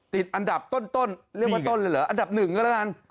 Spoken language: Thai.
ติดอันดับต้นเรียกว่าต้นเลยเหรออันดับหนึ่งก็แล้วกัน